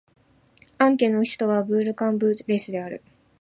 アン県の県都はブール＝カン＝ブレスである